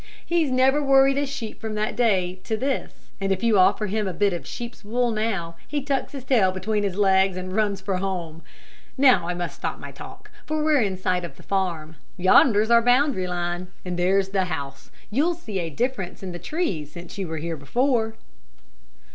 He's never worried a sheep from that day to this, and if you offer him a bit of sheep's wool now, he tucks his tail between his legs, and runs for home. Now, I must stop my talk, for we're in sight of the farm. Yonder's our boundary line, and there's the house. You'll see a difference in the trees since you were here before."